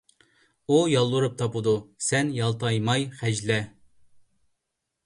ئۇ يالۋۇرۇپ تاپىدۇ، سەن يالتايماي خەجلە!